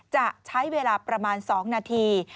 จะใช้เวลาประมาณ๒นาที